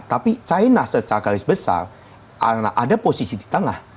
tapi china secara garis besar ada posisi di tengah